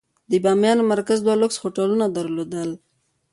د بامیان مرکز دوه لوکس هوټلونه درلودل.